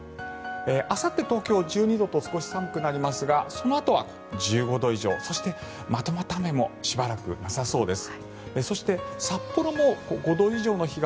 あさって、東京、１２度と少し寒くなりますがそのあとは１５度以上そして、まとまった雨もしばらくなさそうです。